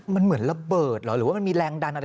มันเหมือนระเบิดเหรอหรือว่ามันมีแรงดันอะไร